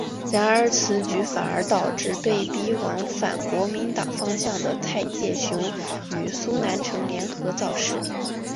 然而此举反而导致被逼往反国民党方向的蔡介雄与苏南成联合造势。